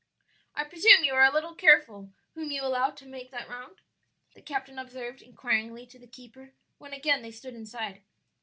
"I presume you are a little careful whom you allow to make that round?" the captain observed inquiringly to the keeper when again they stood inside.